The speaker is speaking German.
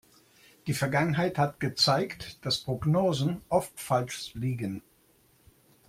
Die Vergangenheit hat gezeigt, dass Prognosen oft falsch liegen.